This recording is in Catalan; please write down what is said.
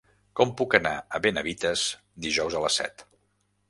Com puc anar a Benavites dijous a les set?